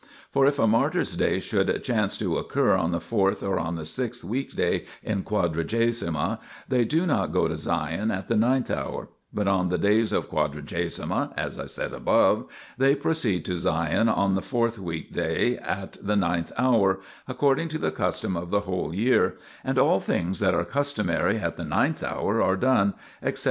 For if a martyrs' day should chance to occur on the fourth or on the sixth weekday in Quadragesima, they do not go to Sion at the ninth hour. But on the days of Quadragesima, as I said above, they pro ceed to Sion on the fourth weekday at the ninth hour, according to the custom of the whole year, and all things that are customary at the ninth hour are done, except the oblation, for, in order that the 1 The Old Arm.